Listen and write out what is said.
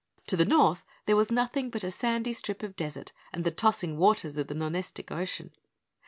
To the north there was nothing but a sandy strip of desert and the tossing waters of the Nonestic Ocean.